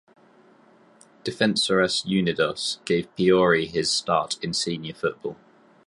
Defensores Unidos gave Priori his start in senior football.